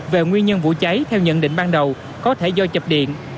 về nguyên nhân vụ cháy theo nhận định ban đầu có thể do chập điện